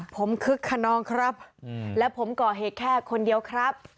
ผมคึกขนองครับและผมก่อเหตุแค่คนเดียวครับ